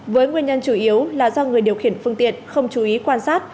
với nguyên nhân chủ yếu là do người điều khiển phương tiện không chú ý quan sát